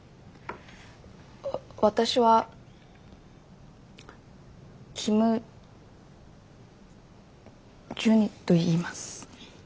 私はキム・ジュニといいます。